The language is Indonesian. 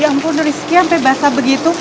ya ampun rizki sampai basah begitu